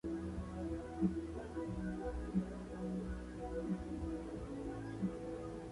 El siguiente diagrama muestra a las localidades más próximas a Bull Run.